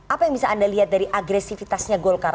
apa yang bisa anda lihat dari agresifitasnya golkar